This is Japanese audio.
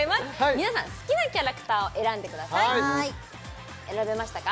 皆さん好きなキャラクターを選んでください選べましたか？